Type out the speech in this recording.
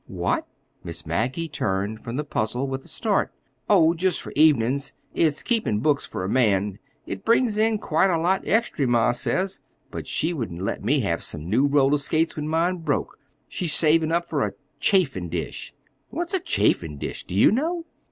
"What?" Miss Maggie turned from the puzzle with a start. "Oh, just for evenin's. It's keepin' books for a man. It brings in quite a lot extry, ma says; but she wouldn't let me have some new roller skates when mine broke. She's savin' up for a chafin' dish. What's a chafin' dish? Do you know?